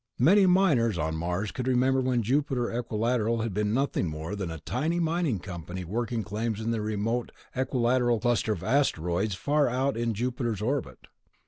Many miners on Mars could remember when Jupiter Equilateral had been nothing more than a tiny mining company working claims in the remote "equilateral" cluster of asteroids far out in Jupiter's orbit.